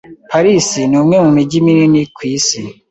Paris ni umwe mu mijyi minini ku isi.